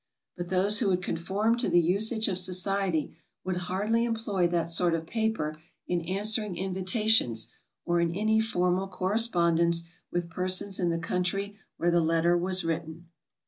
But those who would conform to the usage of society would hardly employ that sort of paper in answering invitations or in any formal cor respondence with persons in the country where the letter was written.